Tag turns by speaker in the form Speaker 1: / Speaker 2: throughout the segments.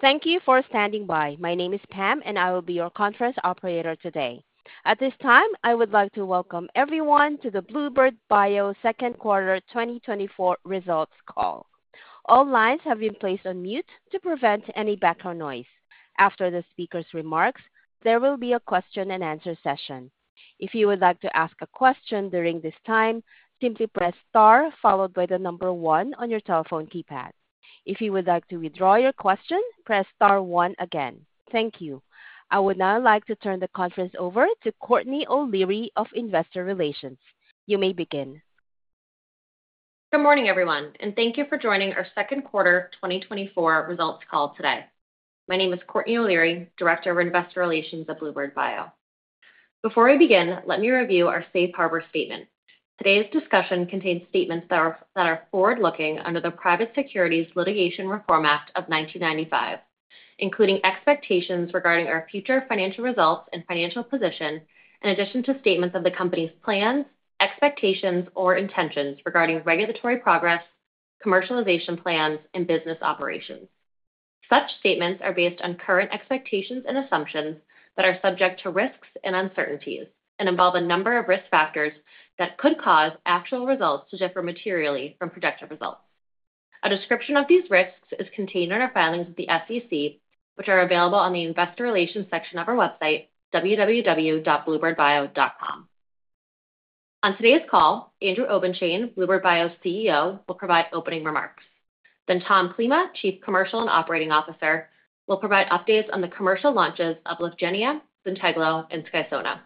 Speaker 1: Thank you for standing by. My name is Pam, and I will be your conference operator today. At this time, I would like to welcome everyone to the bluebird bio Second Quarter 2024 Results Call. All lines have been placed on mute to prevent any background noise. After the speaker's remarks, there will be a question and answer session. If you would like to ask a question during this time, simply press Star followed by the number 1 on your telephone keypad. If you would like to withdraw your question, press Star 1 again. Thank you. I would now like to turn the conference over to Courtney O'Leary of Investor Relations. You may begin.
Speaker 2: Good morning, everyone, and thank you for joining our second quarter 2024 results call today. My name is Courtney O'Leary, Director of Investor Relations at bluebird bio. Before we begin, let me review our safe harbor statement. Today's discussion contains statements that are forward-looking under the Private Securities Litigation Reform Act of 1995, including expectations regarding our future financial results and financial position, in addition to statements of the company's plans, expectations, or intentions regarding regulatory progress, commercialization plans, and business operations. Such statements are based on current expectations and assumptions that are subject to risks and uncertainties and involve a number of risk factors that could cause actual results to differ materially from projected results. A description of these risks is contained in our filings with the SEC, which are available on the Investor Relations section of our website, www.bluebirdbio.com. On today's call, Andrew Obenshain, bluebird bio's CEO, will provide opening remarks. Then Tom Klima, Chief Commercial and Operating Officer, will provide updates on the commercial launches of Lyfgenia, Zynteglo, and Skysona.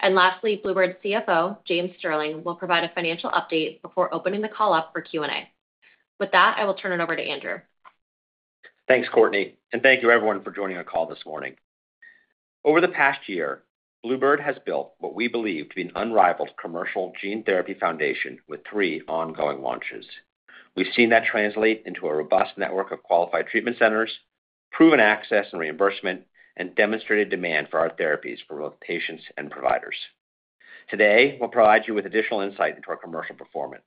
Speaker 2: And lastly, bluebird's CFO, Chris Krawtschuk, will provide a financial update before opening the call up for Q&A. With that, I will turn it over to Andrew.
Speaker 3: Thanks, Courtney, and thank you, everyone, for joining our call this morning. Over the past year, bluebird has built what we believe to be an unrivaled commercial gene therapy foundation with three ongoing launches. We've seen that translate into a robust network of qualified treatment centers, proven access and reimbursement, and demonstrated demand for our therapies for both patients and providers. Today, we'll provide you with additional insight into our commercial performance,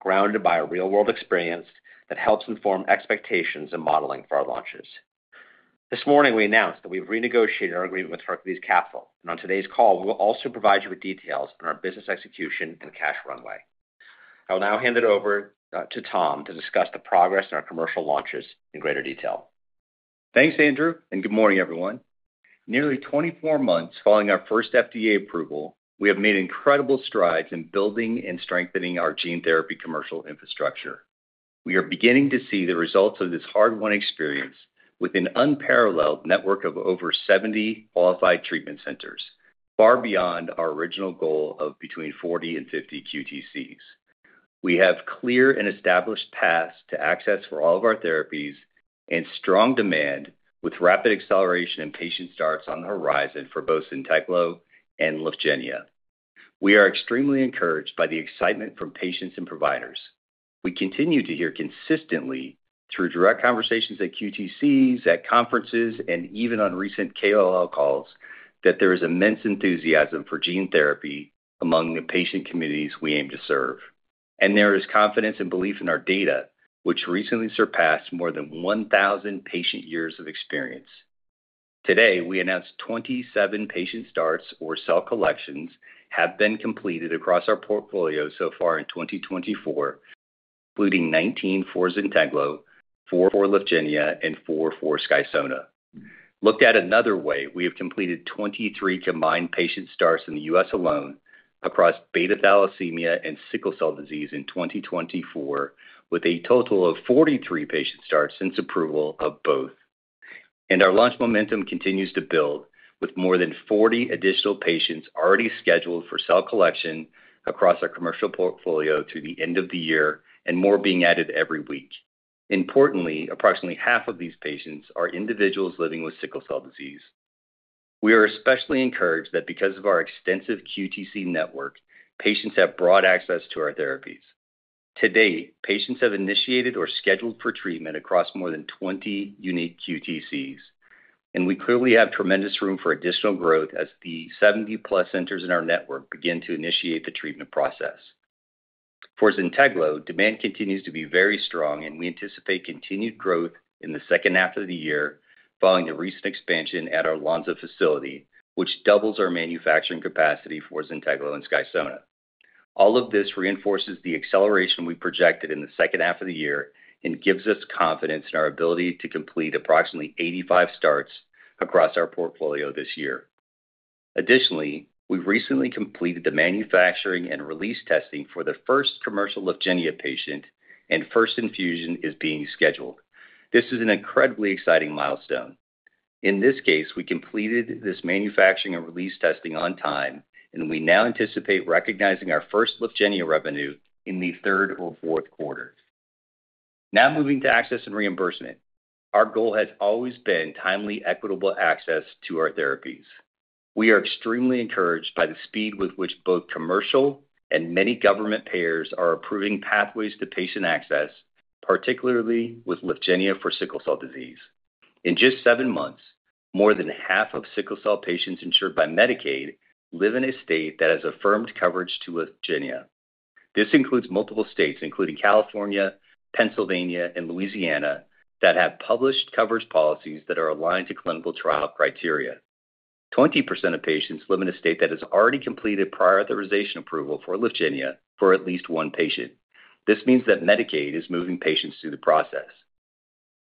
Speaker 3: grounded by a real-world experience that helps inform expectations and modeling for our launches. This morning, we announced that we've renegotiated our agreement with Hercules Capital, and on today's call, we will also provide you with details on our business execution and cash runway. I will now hand it over to Tom to discuss the progress in our commercial launches in greater detail.
Speaker 4: Thanks, Andrew, and good morning, everyone. Nearly 24 months following our first FDA approval, we have made incredible strides in building and strengthening our gene therapy commercial infrastructure. We are beginning to see the results of this hard-won experience with an unparalleled network of over 70 qualified treatment centers, far beyond our original goal of between 40 and 50 QTCs. We have clear and established paths to access for all of our therapies and strong demand, with rapid acceleration and patient starts on the horizon for both Zynteglo and Lyfgenia. We are extremely encouraged by the excitement from patients and providers. We continue to hear consistently through direct conversations at QTCs, at conferences, and even on recent KOL calls, that there is immense enthusiasm for gene therapy among the patient communities we aim to serve. There is confidence and belief in our data, which recently surpassed more than 1,000 patient years of experience. Today, we announced 27 patient starts or cell collections have been completed across our portfolio so far in 2024, including 19 for Zynteglo, four for Lyfgenia, and four for Skysona. Looked at another way, we have completed 23 combined patient starts in the US alone across beta thalassemia and sickle cell disease in 2024, with a total of 43 patient starts since approval of both. Our launch momentum continues to build, with more than 40 additional patients already scheduled for cell collection across our commercial portfolio to the end of the year, and more being added every week. Importantly, approximately half of these patients are individuals living with sickle cell disease. We are especially encouraged that because of our extensive QTC network, patients have broad access to our therapies. To date, patients have initiated or scheduled for treatment across more than 20 unique QTCs, and we clearly have tremendous room for additional growth as the 70+ centers in our network begin to initiate the treatment process. For Zynteglo, demand continues to be very strong, and we anticipate continued growth in the second half of the year following the recent expansion at our Lonza facility, which doubles our manufacturing capacity for Zynteglo and Skysona. All of this reinforces the acceleration we projected in the second half of the year and gives us confidence in our ability to complete approximately 85 starts across our portfolio this year. Additionally, we've recently completed the manufacturing and release testing for the first commercial Lyfgenia patient, and first infusion is being scheduled. This is an incredibly exciting milestone. In this case, we completed this manufacturing and release testing on time, and we now anticipate recognizing our first Lyfgenia revenue in the third or fourth quarter. Now moving to access and reimbursement. Our goal has always been timely, equitable access to our therapies. We are extremely encouraged by the speed with which both commercial and many government payers are approving pathways to patient access, particularly with Lyfgenia for sickle cell disease. In just seven months, more than half of sickle cell patients insured by Medicaid live in a state that has affirmed coverage to Lyfgenia.... This includes multiple states, including California, Pennsylvania, and Louisiana, that have published coverage policies that are aligned to clinical trial criteria. 20% of patients live in a state that has already completed prior authorization approval for Lyfgenia for at least one patient. This means that Medicaid is moving patients through the process.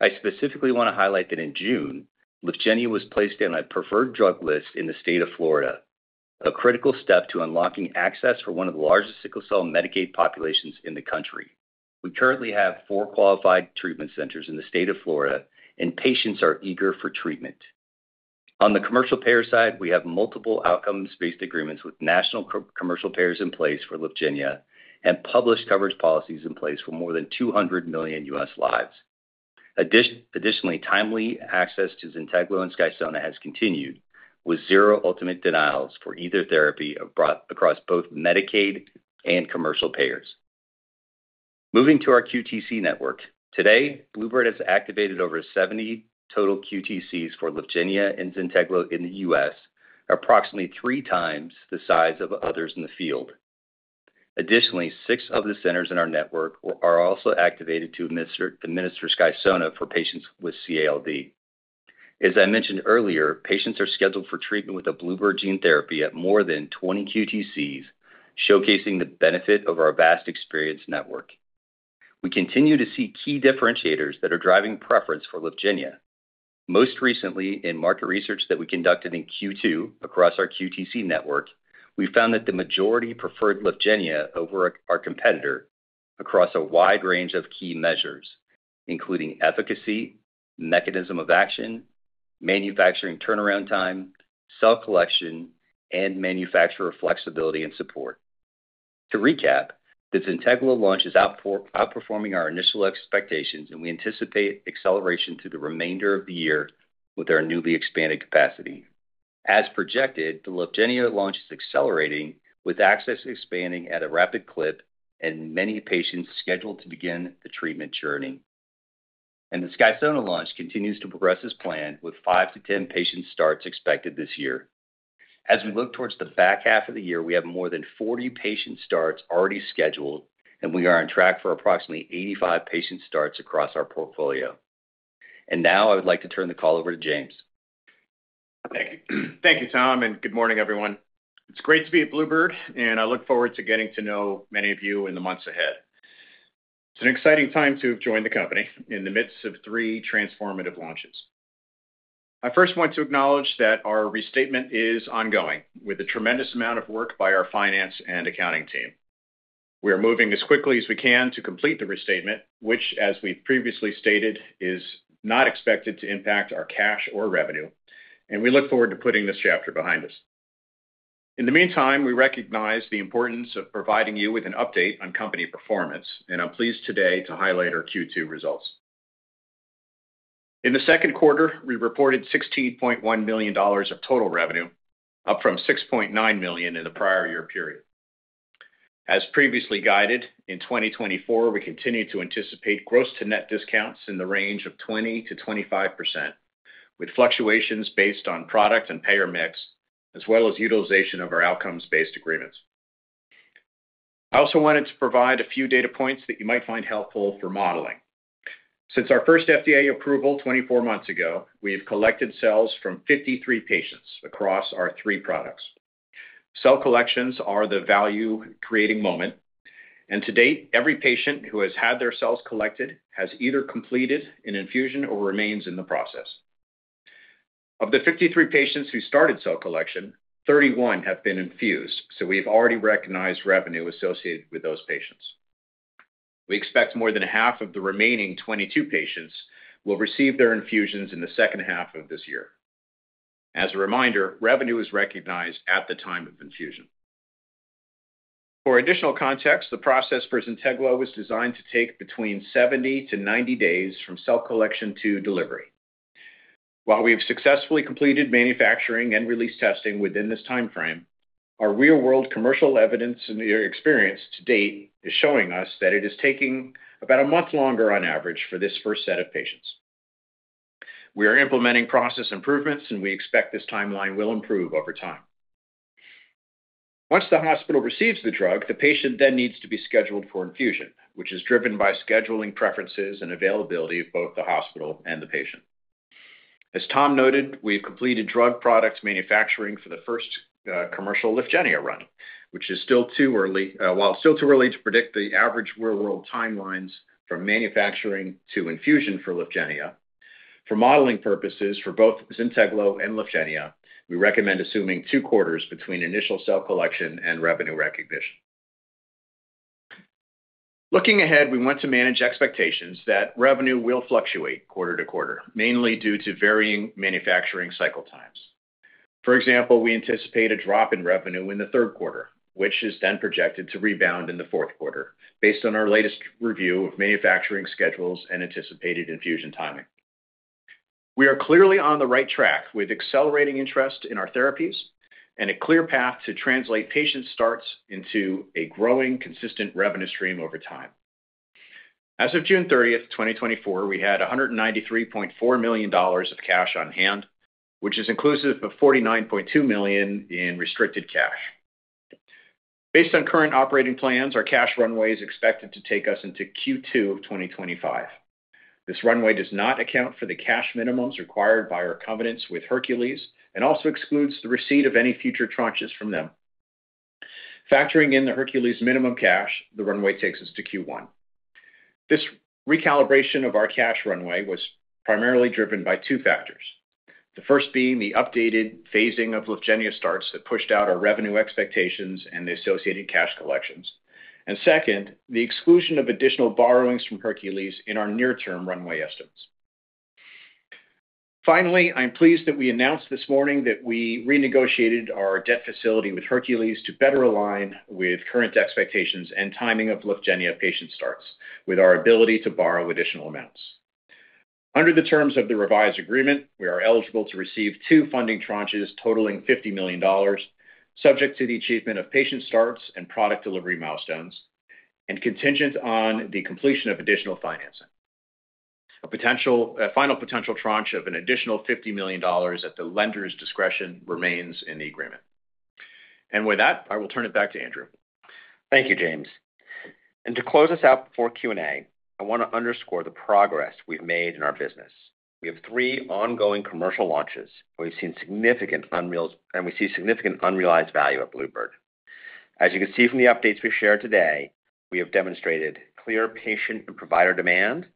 Speaker 4: I specifically want to highlight that in June, Lyfgenia was placed on a preferred drug list in the state of Florida, a critical step to unlocking access for one of the largest sickle cell Medicaid populations in the country. We currently have 4 qualified treatment centers in the state of Florida, and patients are eager for treatment. On the commercial payer side, we have multiple outcomes-based agreements with national commercial payers in place for Lyfgenia, and published coverage policies in place for more than 200 million U.S. lives. Additionally, timely access to Zynteglo and Skysona has continued, with 0 ultimate denials for either therapy across both Medicaid and commercial payers. Moving to our QTC network. Today, bluebird bio has activated over 70 total QTCs for Lyfgenia and Zynteglo in the U.S., approximately 3 times the size of others in the field. Additionally, 6 of the centers in our network are also activated to administer Skysona for patients with CALD. As I mentioned earlier, patients are scheduled for treatment with a bluebird bio gene therapy at more than 20 QTCs, showcasing the benefit of our vast experience network. We continue to see key differentiators that are driving preference for Lyfgenia. Most recently, in market research that we conducted in Q2 across our QTC network, we found that the majority preferred Lyfgenia over our competitor across a wide range of key measures, including efficacy, mechanism of action, manufacturing turnaround time, cell collection, and manufacturer flexibility and support. To recap, the Zynteglo launch is outperforming our initial expectations, and we anticipate acceleration through the remainder of the year with our newly expanded capacity. As projected, the Lyfgenia launch is accelerating, with access expanding at a rapid clip and many patients scheduled to begin the treatment journey. The Skysona launch continues to progress as planned, with 5-10 patient starts expected this year. As we look towards the back half of the year, we have more than 40 patient starts already scheduled, and we are on track for approximately 85 patient starts across our portfolio. Now I would like to turn the call over to James.
Speaker 5: Thank you. Thank you, Tom, and good morning, everyone. It's great to be at bluebird, and I look forward to getting to know many of you in the months ahead. It's an exciting time to have joined the company in the midst of three transformative launches. I first want to acknowledge that our restatement is ongoing with a tremendous amount of work by our finance and accounting team. We are moving as quickly as we can to complete the restatement, which, as we previously stated, is not expected to impact our cash or revenue, and we look forward to putting this chapter behind us. In the meantime, we recognize the importance of providing you with an update on company performance, and I'm pleased today to highlight our Q2 results. In the second quarter, we reported $16.1 million of total revenue, up from $6.9 million in the prior year period. As previously guided, in 2024, we continue to anticipate gross to net discounts in the range of 20%-25%, with fluctuations based on product and payer mix, as well as utilization of our outcomes-based agreements. I also wanted to provide a few data points that you might find helpful for modeling. Since our first FDA approval 24 months ago, we have collected cells from 53 patients across our three products. Cell collections are the value-creating moment, and to date, every patient who has had their cells collected has either completed an infusion or remains in the process. Of the 53 patients who started cell collection, 31 have been infused, so we've already recognized revenue associated with those patients. We expect more than half of the remaining 22 patients will receive their infusions in the second half of this year. As a reminder, revenue is recognized at the time of infusion. For additional context, the process for Zynteglo was designed to take between 70-90 days from cell collection to delivery. While we have successfully completed manufacturing and release testing within this timeframe, our real-world commercial evidence and experience to date is showing us that it is taking about a month longer on average for this first set of patients. We are implementing process improvements, and we expect this timeline will improve over time. Once the hospital receives the drug, the patient then needs to be scheduled for infusion, which is driven by scheduling preferences and availability of both the hospital and the patient. As Tom noted, we've completed drug product manufacturing for the first commercial Lyfgenia run. While still too early to predict the average real-world timelines from manufacturing to infusion for Lyfgenia, for modeling purposes, for both Zynteglo and Lyfgenia, we recommend assuming two quarters between initial cell collection and revenue recognition. Looking ahead, we want to manage expectations that revenue will fluctuate quarter to quarter, mainly due to varying manufacturing cycle times. For example, we anticipate a drop in revenue in the third quarter, which is then projected to rebound in the fourth quarter, based on our latest review of manufacturing schedules and anticipated infusion timing. We are clearly on the right track, with accelerating interest in our therapies and a clear path to translate patient starts into a growing, consistent revenue stream over time. As of June 30, 2024, we had $193.4 million of cash on hand, which is inclusive of $49.2 million in restricted cash. Based on current operating plans, our cash runway is expected to take us into Q2 of 2025. This runway does not account for the cash minimums required by our covenants with Hercules and also excludes the receipt of any future tranches from them. Factoring in the Hercules minimum cash, the runway takes us to Q1. This recalibration of our cash runway was primarily driven by two factors. The first being the updated phasing of Lyfgenia starts that pushed out our revenue expectations and the associated cash collections. And second, the exclusion of additional borrowings from Hercules in our near-term runway estimates. Finally, I'm pleased that we announced this morning that we renegotiated our debt facility with Hercules to better align with current expectations and timing of Lyfgenia patient starts, with our ability to borrow additional amounts. Under the terms of the revised agreement, we are eligible to receive two funding tranches totaling $50 million, subject to the achievement of patient starts and product delivery milestones, and contingent on the completion of additional financing. A final potential tranche of an additional $50 million at the lender's discretion remains in the agreement. And with that, I will turn it back to Andrew.
Speaker 3: Thank you, James. To close us out before Q&A, I want to underscore the progress we've made in our business. We have three ongoing commercial launches, where we've seen significant unrealized value at bluebird. As you can see from the updates we've shared today, we have demonstrated clear patient and provider demand,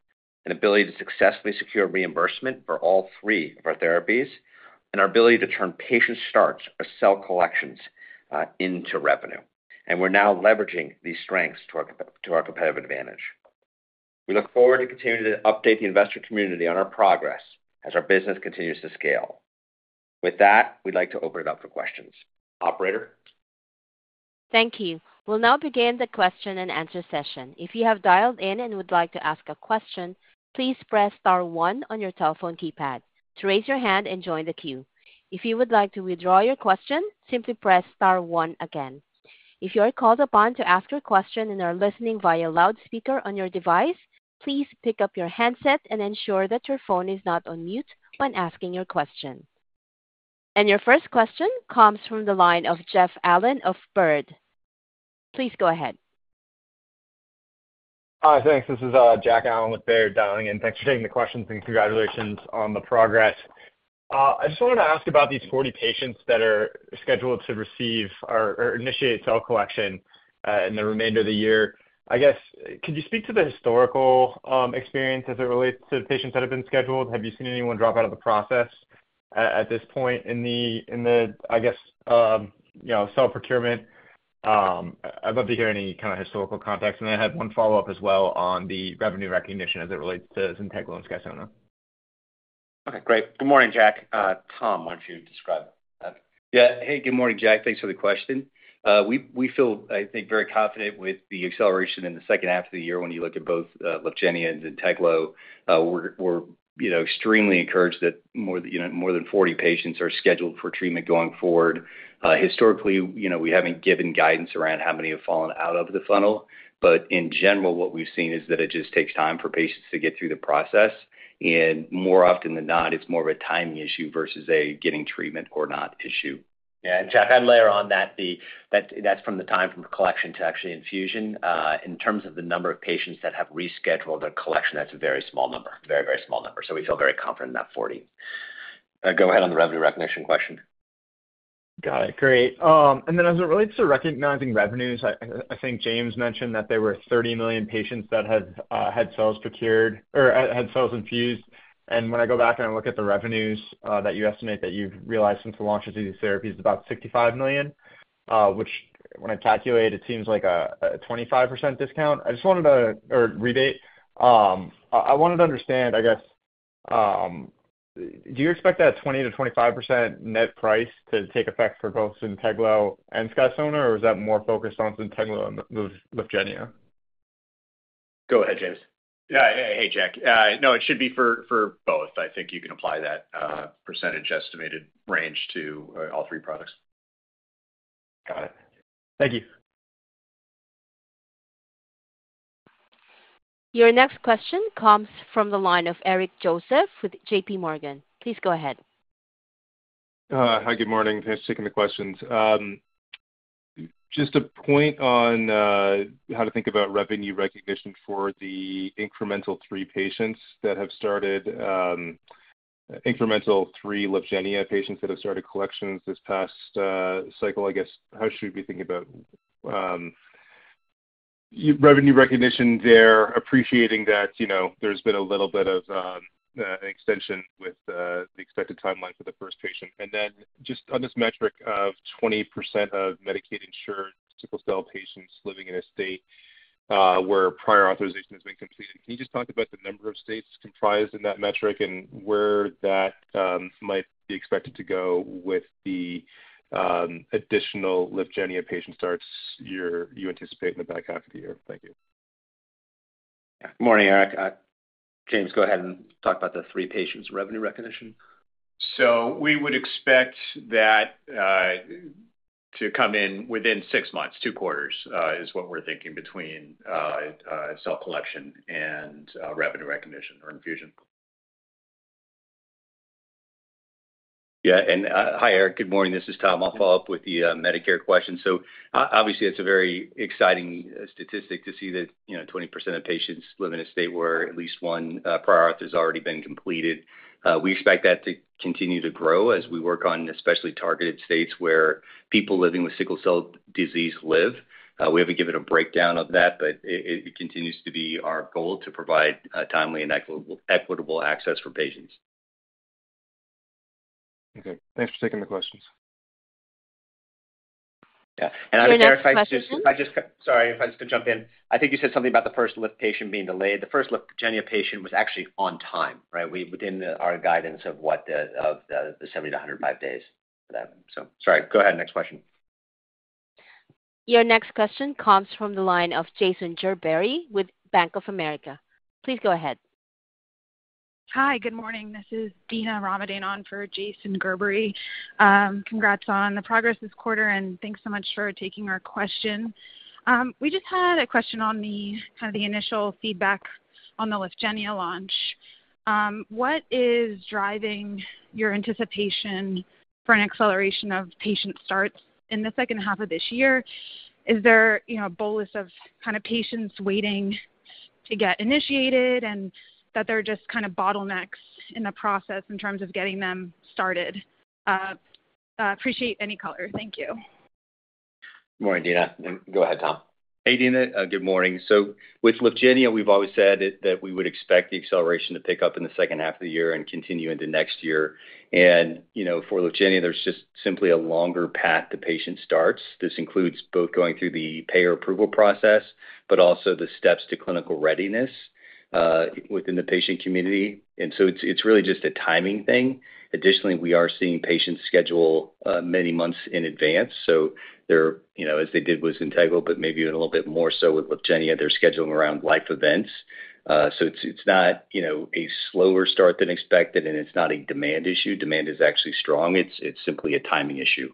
Speaker 3: an ability to successfully secure reimbursement for all three of our therapies, and our ability to turn patient starts or cell collections into revenue. We're now leveraging these strengths to our competitive advantage. We look forward to continuing to update the investor community on our progress as our business continues to scale. With that, we'd like to open it up for questions. Operator?
Speaker 1: Thank you. We'll now begin the question-and-answer session. If you have dialed in and would like to ask a question, please press star one on your telephone keypad to raise your hand and join the queue. If you would like to withdraw your question, simply press star one again. If you are called upon to ask a question and are listening via loudspeaker on your device, please pick up your handset and ensure that your phone is not on mute when asking your question. Your first question comes from the line of Jack Allen of Baird. Please go ahead.
Speaker 6: Hi, thanks. This is Jack Allen with Baird dialing in. Thanks for taking the questions, and congratulations on the progress. I just wanted to ask about these 40 patients that are scheduled to receive or initiate cell collection in the remainder of the year. I guess, could you speak to the historical experience as it relates to the patients that have been scheduled? Have you seen anyone drop out of the process at this point in the I guess you know cell procurement? I'd love to hear any kind of historical context. And I had one follow-up as well on the revenue recognition as it relates to Zynteglo and Skysona.
Speaker 3: Okay, great. Good morning, Jack. Tom, why don't you describe that?
Speaker 4: Yeah. Hey, good morning, Jack. Thanks for the question. We feel, I think, very confident with the acceleration in the second half of the year when you look at both Lyfgenia and Zynteglo. We're, you know, extremely encouraged that more than, you know, more than 40 patients are scheduled for treatment going forward. Historically, you know, we haven't given guidance around how many have fallen out of the funnel, but in general, what we've seen is that it just takes time for patients to get through the process. And more often than not, it's more of a timing issue versus a getting treatment or not issue.
Speaker 3: Yeah, and Jack, I'd layer on that that's from the time from collection to actually infusion. In terms of the number of patients that have rescheduled a collection, that's a very small number. Very, very small number. So we feel very confident in that 40. Go ahead on the revenue recognition question.
Speaker 6: Got it. Great. And then as it relates to recognizing revenues, I think James mentioned that there were $30 million patients that had had cells procured or had cells infused. And when I go back and I look at the revenues that you estimate that you've realized since the launch of these therapies, about $65 million, which when I calculate, it seems like a 25% discount. I just wanted to... Or rebate. I wanted to understand, I guess, do you expect that 20%-25% net price to take effect for both Zynteglo and Skysona, or is that more focused on Zynteglo and Lyfgenia?
Speaker 3: Go ahead, James.
Speaker 5: Yeah. Hey, Jack. No, it should be for both. I think you can apply that percentage estimated range to all three products.
Speaker 6: Got it. Thank you.
Speaker 1: Your next question comes from the line of Eric Joseph with JPMorgan. Please go ahead.
Speaker 7: Hi, good morning. Thanks for taking the questions. Just a point on how to think about revenue recognition for the incremental three patients that have started, incremental three Lyfgenia patients that have started collections this past cycle. I guess, how should we be thinking about revenue recognition there, appreciating that, you know, there's been a little bit of extension with the expected timeline for the first patient? And then just on this metric of 20% of Medicaid-insured sickle cell patients living in a state where prior authorization has been completed, can you just talk about the number of states comprised in that metric and where that might be expected to go with the additional Lyfgenia patient starts you anticipate in the back half of the year? Thank you.
Speaker 3: Good morning, Eric. James, go ahead and talk about the 3 patients revenue recognition.
Speaker 5: So we would expect that to come in within 6 months, 2 quarters is what we're thinking between cell collection and revenue recognition or infusion.
Speaker 3: Yeah, and hi, Eric. Good morning, this is Tom. I'll follow up with the Medicare question. So obviously, it's a very exciting statistic to see that, you know, 20% of patients live in a state where at least one prior auth has already been completed. We expect that to continue to grow as we work on especially targeted states where people living with sickle cell disease live. We haven't given a breakdown of that, but it continues to be our goal to provide timely and equitable access for patients.
Speaker 7: Okay. Thanks for taking the questions.
Speaker 4: Yeah, and I would verify-
Speaker 1: Your next question-
Speaker 4: Sorry, if I just could jump in. I think you said something about the first Lyfgenia patient being delayed. The first Lyfgenia patient was actually on time, right? Within our guidance of the 70-105 days for that. So sorry. Go ahead. Next question.
Speaker 1: Your next question comes from the line of Jason Gerberry with Bank of America. Please go ahead.
Speaker 8: Hi, good morning. This is Dina Ramadane on for Jason Gerberry. Congrats on the progress this quarter, and thanks so much for taking our question. We just had a question on the, kind of the initial feedback on the Lyfgenia launch. What is driving your anticipation for an acceleration of patient starts in the second half of this year? Is there, you know, a bolus of kind of patients waiting to get initiated and that they're just kind of bottlenecks in the process in terms of getting them started? Appreciate any color. Thank you.
Speaker 3: Good morning, Dina. Go ahead, Tom. Hey, Dina, good morning. So with Lyfgenia, we've always said that we would expect the acceleration to pick up in the second half of the year and continue into next year. You know, for Lyfgenia, there's just simply a longer path to patient starts. This includes both going through the payer approval process, but also the steps to clinical readiness within the patient community. So it's really just a timing thing. Additionally, we are seeing patients schedule many months in advance. So they're, you know, as they did with Zynteglo, but maybe even a little bit more so with Lyfgenia, they're scheduling around life events. So it's not, you know, a slower start than expected, and it's not a demand issue. Demand is actually strong. It's simply a timing issue.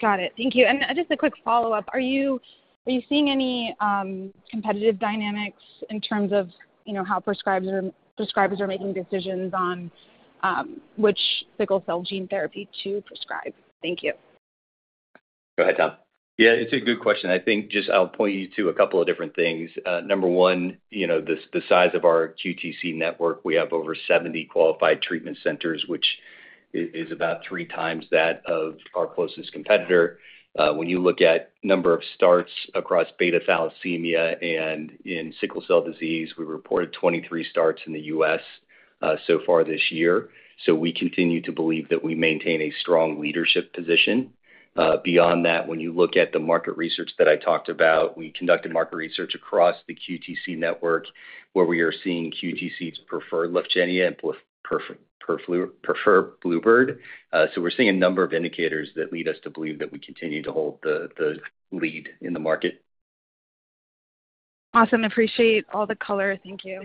Speaker 9: Got it. Thank you. And, just a quick follow-up. Are you seeing any competitive dynamics in terms of, you know, how prescribers are making decisions on which sickle cell gene therapy to prescribe? Thank you.
Speaker 3: Go ahead, Tom.
Speaker 4: Yeah, it's a good question. I think just I'll point you to a couple of different things. Number one, you know, the size of our QTC network, we have over 70 qualified treatment centers, which is about 3 times that of our closest competitor. When you look at number of starts across beta thalassemia and in sickle cell disease, we reported 23 starts in the US, so far this year. So we continue to believe that we maintain a strong leadership position. Beyond that, when you look at the market research that I talked about, we conducted market research across the QTC network, where we are seeing QTCs prefer Lyfgenia, prefer bluebird. So we're seeing a number of indicators that lead us to believe that we continue to hold the lead in the market.
Speaker 8: Awesome. Appreciate all the color. Thank you.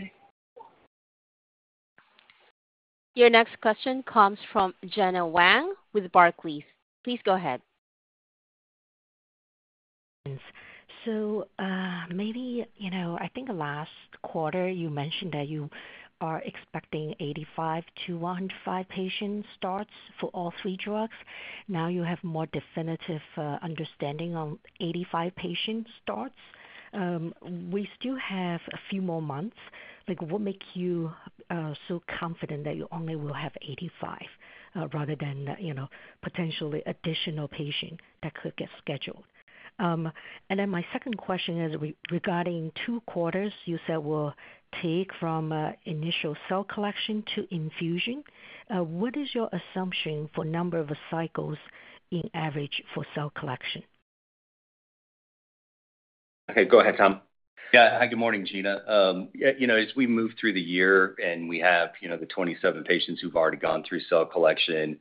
Speaker 1: Your next question comes from Gena Wang with Barclays. Please go ahead.
Speaker 10: So, maybe, you know, I think last quarter you mentioned that you are expecting 85 to 105 patient starts for all three drugs. Now you have more definitive understanding on 85 patient starts. We still have a few more months. Like, what make you so confident that you only will have 85, rather than, you know, potentially additional patient that could get scheduled? And then my second question is regarding two quarters you said will take from initial cell collection to infusion. What is your assumption for number of cycles in average for cell collection?
Speaker 3: Okay, go ahead, Tom.
Speaker 4: Yeah. Hi, good morning, Gena. Yeah, you know, as we move through the year and we have, you know, the 27 patients who've already gone through cell collection,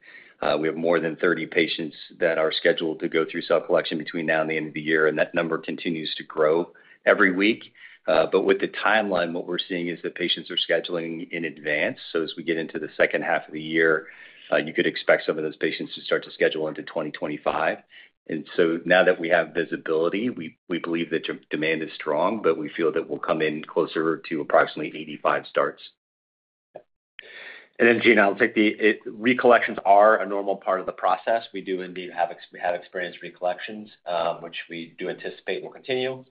Speaker 4: we have more than 30 patients that are scheduled to go through cell collection between now and the end of the year, and that number continues to grow every week. But with the timeline, what we're seeing is that patients are scheduling in advance. So as we get into the second half of the year, you could expect some of those patients to start to schedule into 2025. And so now that we have visibility, we believe that demand is strong, but we feel that we'll come in closer to approximately 85 starts.\
Speaker 3: And then, Gena, I'll take the re-collections are a normal part of the process. We do indeed have experienced re-collections, which we do anticipate will continue.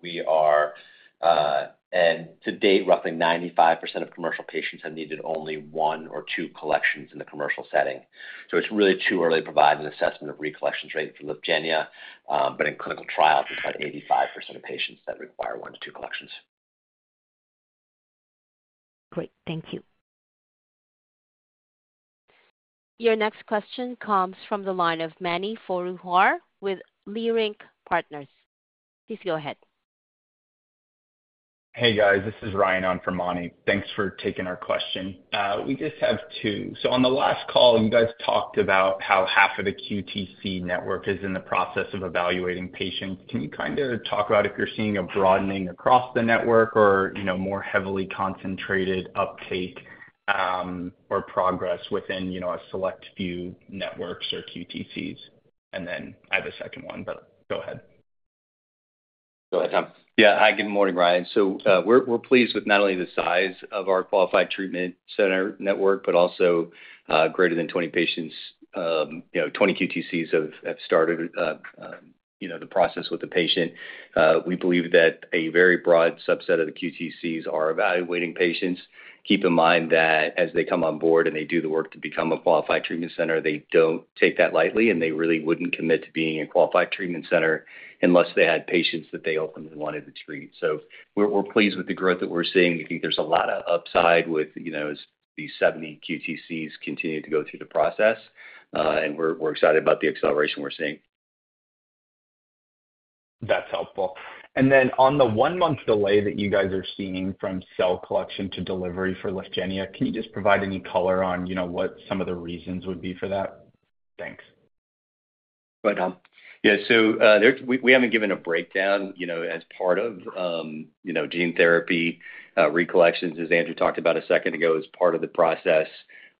Speaker 3: We are, and to date, roughly 95% of commercial patients have needed only one or two collections in the commercial setting. So it's really too early to provide an assessment of re-collections rate for Lyfgenia, but in clinical trials, it's about 85% of patients that require one to two collections.
Speaker 10: Great. Thank you.
Speaker 1: Your next question comes from the line of Mani Foroohar with Leerink Partners. Please go ahead.
Speaker 11: Hey, guys, this is Ryan on for Mani. Thanks for taking our question. We just have two. On the last call, you guys talked about how half of the QTC network is in the process of evaluating patients. Can you kinda talk about if you're seeing a broadening across the network or, you know, more heavily concentrated uptake, or progress within, you know, a select few networks or QTCs? And then I have a second one, but go ahead.
Speaker 3: Go ahead, Tom.
Speaker 4: Yeah. Hi, good morning, Ryan. So, we're, we're pleased with not only the size of our Qualified Treatment Center network, but also, greater than 20 patients. You know, 20 QTCs have, have started, you know, the process with the patient. We believe that a very broad subset of the QTCs are evaluating patients. Keep in mind that as they come on board and they do the work to become a Qualified Treatment Center, they don't take that lightly, and they really wouldn't commit to being a Qualified Treatment Center unless they had patients that they ultimately wanted to treat. So we're, we're pleased with the growth that we're seeing. We think there's a lot of upside with, you know, as these 70 QTCs continue to go through the process, and we're, we're excited about the acceleration we're seeing.
Speaker 11: That's helpful. Then on the 1-month delay that you guys are seeing from cell collection to delivery for Lyfgenia, can you just provide any color on, you know, what some of the reasons would be for that? Thanks.
Speaker 3: Go ahead, Tom.
Speaker 4: Yeah, so, we haven't given a breakdown, you know, as part of, you know, gene therapy. Cell collection, as Andrew talked about a second ago, is part of the process,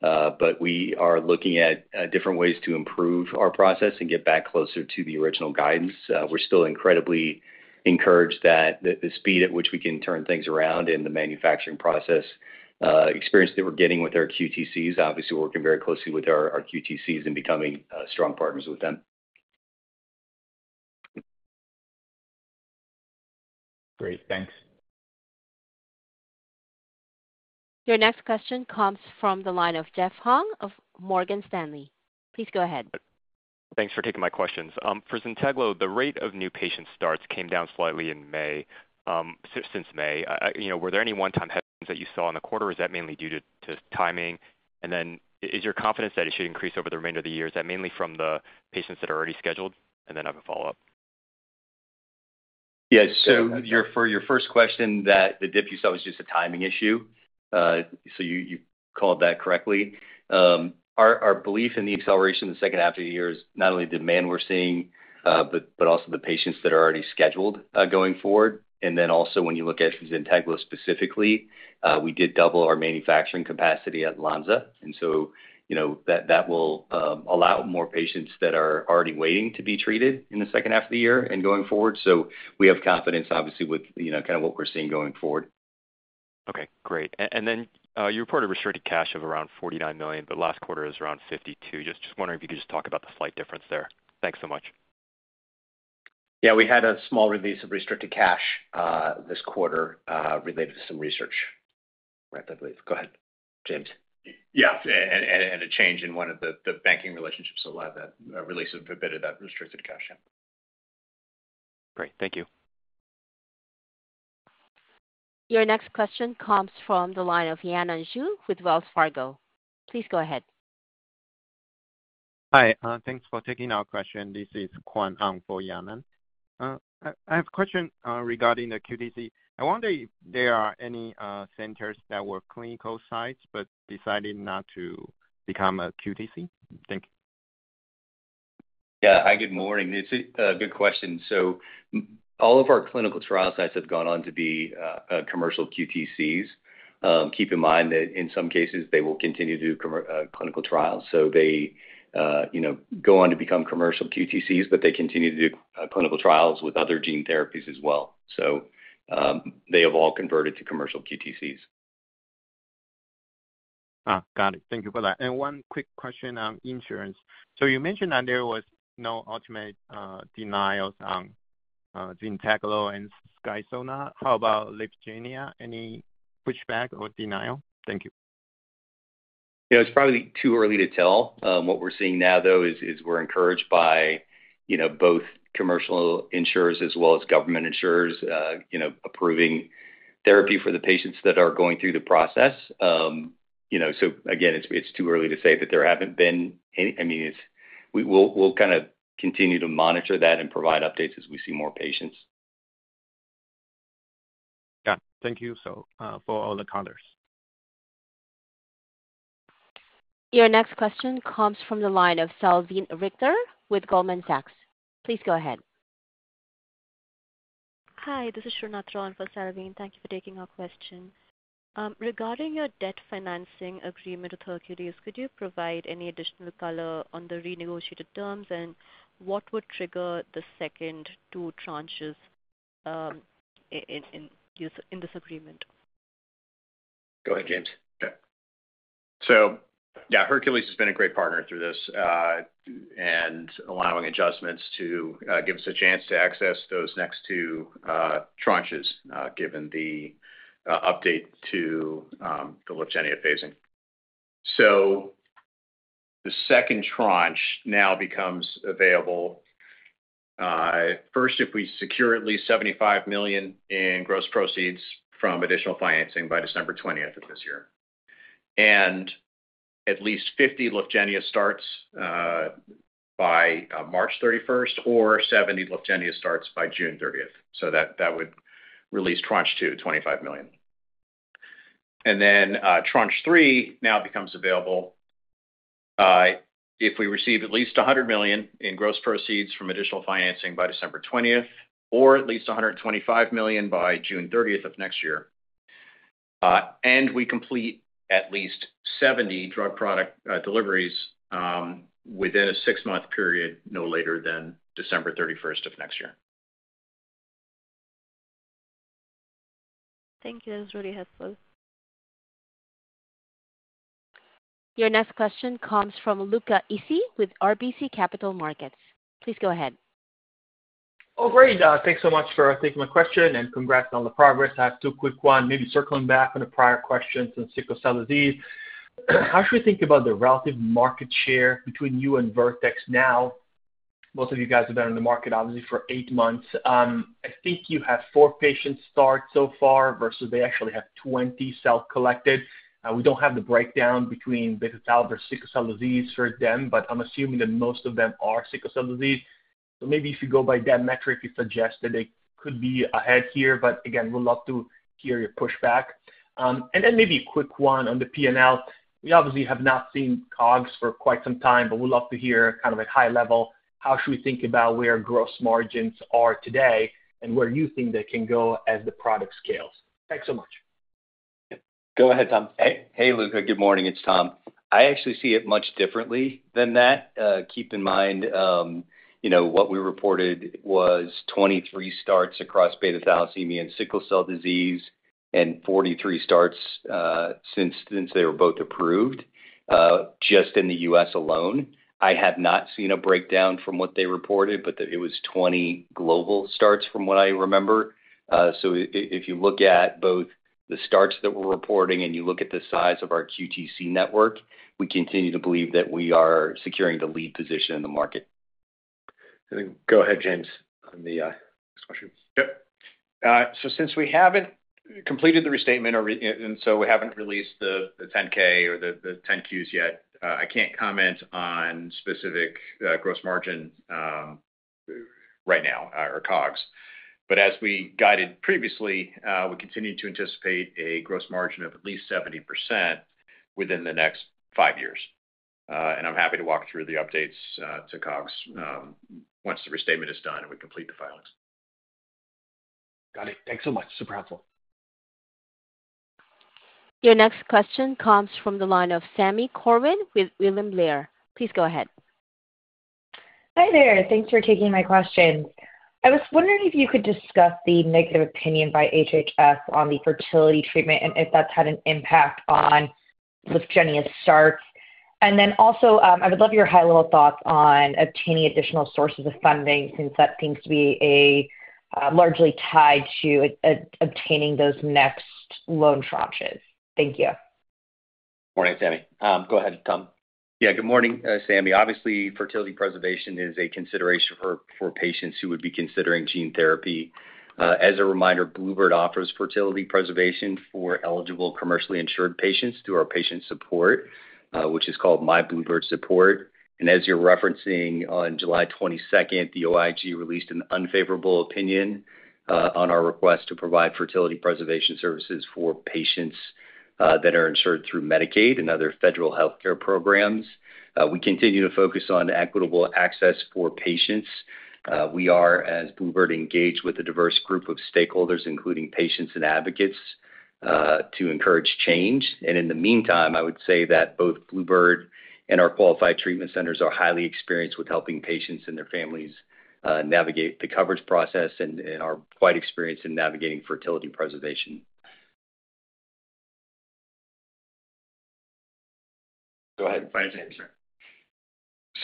Speaker 4: but we are looking at different ways to improve our process and get back closer to the original guidance. We're still incredibly encouraged that the speed at which we can turn things around in the manufacturing process, experience that we're getting with our QTCs, obviously, we're working very closely with our QTCs and becoming strong partners with them.
Speaker 11: Great. Thanks.
Speaker 1: Your next question comes from the line of Jeffrey Hung of Morgan Stanley. Please go ahead.
Speaker 12: Thanks for taking my questions. For Zynteglo, the rate of new patient starts came down slightly in May, since May. You know, were there any one-time headwinds that you saw in the quarter, or is that mainly due to timing? And then is your confidence that it should increase over the remainder of the year, is that mainly from the patients that are already scheduled? And then I have a follow-up.
Speaker 4: Yeah. So for your first question, that the dip you saw was just a timing issue. So you, you called that correctly. Our belief in the acceleration in the second half of the year is not only the demand we're seeing, but also the patients that are already scheduled, going forward. And then also, when you look at Zynteglo specifically, we did double our manufacturing capacity at Lonza, and so, you know, that will allow more patients that are already waiting to be treated in the second half of the year and going forward. So we have confidence, obviously, with, you know, kind of what we're seeing going forward.
Speaker 12: Okay, great. And then, you reported restricted cash of around $49 million, but last quarter is around $52. Just, just wondering if you could just talk about the slight difference there. Thanks so much.
Speaker 13: Yeah, we had a small release of restricted cash, this quarter, related to some research, right, I believe. Go ahead, James.
Speaker 5: Yeah, and a change in one of the banking relationships that allowed that release of a bit of that restricted cash. Yeah.
Speaker 12: Great. Thank you.
Speaker 1: Your next question comes from the line of Yanan Zhu with Wells Fargo. Please go ahead.
Speaker 14: Hi, thanks for taking our question. This is Kuan Ang for Yanan. I have a question regarding the QTC. I wonder if there are any centers that were clinical sites but decided not to become a QTC? Thank you.
Speaker 5: Yeah. Hi, good morning. It's a good question. So all of our clinical trial sites have gone on to be commercial QTCs. Keep in mind that in some cases they will continue to do clinical trials. So they, you know, go on to become commercial QTCs, but they continue to do clinical trials with other gene therapies as well. So they have all converted to commercial QTCs.
Speaker 14: Ah, got it. Thank you for that. And one quick question on insurance. So you mentioned that there was no ultimate denials on Zynteglo and Skysona. How about Lyfgenia? Any pushback or denial? Thank you.
Speaker 5: You know, it's probably too early to tell. What we're seeing now, though, is we're encouraged by, you know, both commercial insurers as well as government insurers, you know, approving therapy for the patients that are going through the process. You know, so again, it's too early to say that there haven't been any... I mean, we'll kind of continue to monitor that and provide updates as we see more patients.
Speaker 14: Yeah. Thank you, so, for all the comments.
Speaker 1: Your next question comes from the line of Salveen Richter with Goldman Sachs. Please go ahead.
Speaker 15: Hi, this is Shruthi Ravi on for Salveen. Thank you for taking our question. Regarding your debt financing agreement with Hercules, could you provide any additional color on the renegotiated terms, and what would trigger the second two tranches in this agreement?
Speaker 13: Go ahead, James.
Speaker 5: Yeah. So yeah, Hercules has been a great partner through this, and allowing adjustments to give us a chance to access those next two tranches, given the update to the Lyfgenia phasing. So the second tranche now becomes available first, if we secure at least $75 million in gross proceeds from additional financing by December twentieth of this year.... At least 50 Lyfgenia starts by March 31st or 70 Lyfgenia starts by June 30th. So that would release tranche 2, $25 million. And then, tranche 3 now becomes available if we receive at least $100 million in gross proceeds from additional financing by December 20th, or at least $125 million by June 30th of next year, and we complete at least 70 drug product deliveries within a six-month period, no later than December 31st of next year.
Speaker 15: Thank you. That was really helpful.
Speaker 1: Your next question comes from Luca Issi with RBC Capital Markets. Please go ahead.
Speaker 16: Oh, great. Thanks so much for taking my question, and congrats on the progress. I have two quick ones. Maybe circling back on the prior questions on sickle cell disease. How should we think about the relative market share between you and Vertex now? Both of you guys have been in the market, obviously, for 8 months. I think you have 4 patients started so far, versus they actually have 20 cells collected. We don't have the breakdown between beta thalassemia or sickle cell disease for them, but I'm assuming that most of them are sickle cell disease. So maybe if you go by that metric, you suggest that they could be ahead here, but again, would love to hear your pushback. And then maybe a quick one on the P&L. We obviously have not seen COGS for quite some time, but we'd love to hear kind of at high level, how should we think about where gross margins are today and where you think they can go as the product scales? Thanks so much.
Speaker 5: Go ahead, Tom.
Speaker 4: Hey, hey, Luca. Good morning, it's Tom. I actually see it much differently than that. Keep in mind, you know, what we reported was 23 starts across beta thalassemia and sickle cell disease, and 43 starts, since, since they were both approved, just in the US alone. I have not seen a breakdown from what they reported, but that it was 20 global starts, from what I remember. So if you look at both the starts that we're reporting and you look at the size of our QTC network, we continue to believe that we are securing the lead position in the market.
Speaker 3: Go ahead, James, on the next question.
Speaker 4: Yep.
Speaker 5: So since we haven't completed the restatement, and so we haven't released the 10-K or the 10-Qs yet, I can't comment on specific gross margin right now or COGS. But as we guided previously, we continue to anticipate a gross margin of at least 70% within the next 5 years. And I'm happy to walk through the updates to COGS once the restatement is done and we complete the filings.
Speaker 16: Got it. Thanks so much. Super helpful.
Speaker 1: Your next question comes from the line of Sami Corwin with William Blair. Please go ahead.
Speaker 17: Hi there. Thanks for taking my question. I was wondering if you could discuss the negative opinion by HHS on the fertility treatment, and if that's had an impact on Lyfgenia starts. And then also, I would love your high-level thoughts on obtaining additional sources of funding, since that seems to be a largely tied to obtaining those next loan tranches. Thank you.
Speaker 5: Morning, Sami. Go ahead, Tom.
Speaker 4: Yeah, good morning, Sami. Obviously, fertility preservation is a consideration for patients who would be considering gene therapy. As a reminder, bluebird offers fertility preservation for eligible commercially insured patients through our patient my bluebird support. and as you're referencing, on July twenty-second, the OIG released an unfavorable opinion on our request to provide fertility preservation services for patients that are insured through Medicaid and other federal healthcare programs. We continue to focus on equitable access for patients. We are, as bluebird, engaged with a diverse group of stakeholders, including patients and advocates, to encourage change. And in the meantime, I would say that both bluebird and our qualified treatment centers are highly experienced with helping patients and their families navigate the coverage process and are quite experienced in navigating fertility preservation.
Speaker 5: Go ahead, James.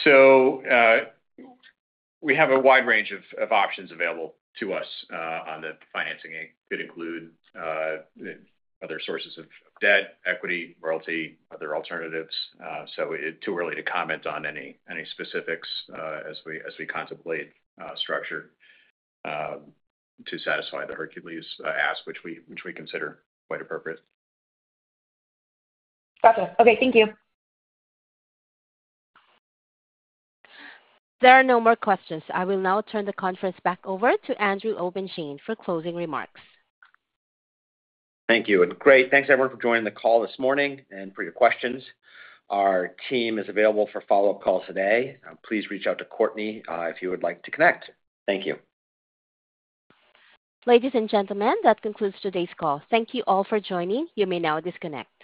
Speaker 5: Sure. So, we have a wide range of options available to us on the financing. It could include other sources of debt, equity, royalty, other alternatives. So it's too early to comment on any specifics as we contemplate structure to satisfy the Hercules ask, which we consider quite appropriate.
Speaker 17: Gotcha. Okay, thank you.
Speaker 1: There are no more questions. I will now turn the conference back over to Andrew Obenshain for closing remarks.
Speaker 3: Thank you, and great. Thanks, everyone, for joining the call this morning and for your questions. Our team is available for follow-up calls today. Please reach out to Courtney, if you would like to connect. Thank you.
Speaker 1: Ladies and gentlemen, that concludes today's call. Thank you all for joining. You may now disconnect.